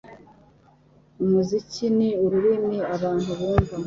Umuziki ni ururimi abantu bumva